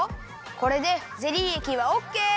これでゼリーえきはオッケー！